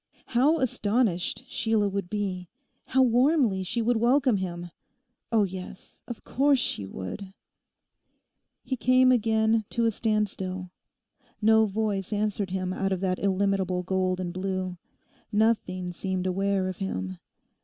How astonished Sheila would be; how warmly she would welcome him!... Oh yes, of course she would. He came again to a standstill. No voice answered him out of that illimitable gold and blue. Nothing seemed aware of him.